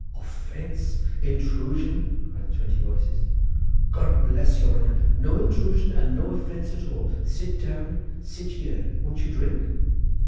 "Offence, intrusion!" cried twenty voices. "God bless your honour! no intrusion and no offence at all—sit down—sit here—won't you drink?"